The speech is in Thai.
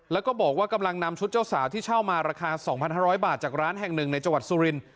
แล้วก็บอกว่ากำลังนำชุดเจ้าสาวที่เช่ามาราคา๒๕๐๐บาทจากร้านแห่งหนึ่งในจังหวัดสุริน